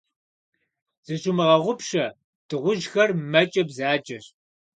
Зыщумыгъэгъупщэ, дыгъужьхэр мэкӀэ бзаджэщ.